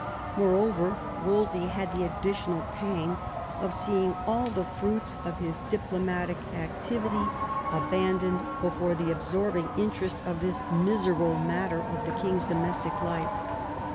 Moreover, Wolsey had the additional pang of seeing all the fruits of his diplomatic activity abandoned before the absorbing interest of this miserable matter of the king's domestic life.